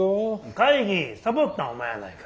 会議サボったんはお前やないか。